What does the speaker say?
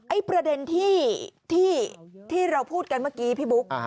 ประเด็นที่เราพูดกันเมื่อกี้พี่บุ๊ค